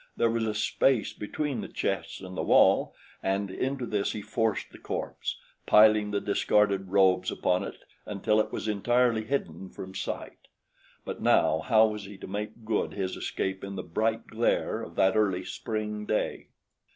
There was a space between the chests and the wall, and into this he forced the corpse, piling the discarded robes upon it until it was entirely hidden from sight; but now how was he to make good his escape in the bright glare of that early Spring day?